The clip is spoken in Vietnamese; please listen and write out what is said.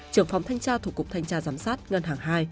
trường phóng thanh tra thủ cục thanh tra giám sát ngân hàng hai